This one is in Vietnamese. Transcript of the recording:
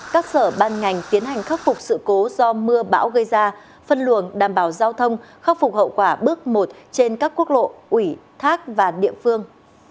các sở ban ngành tiến hành khắc phục sự cố do mưa bão gây ra phân luồng đảm bảo giao thông khắc phục hậu quả bước một trên các quốc lộ ủy thác và địa phương